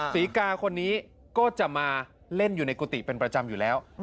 ศรีกาคนนี้ก็จะมาเล่นอยู่ในกุฏิเป็นประจำอยู่แล้ว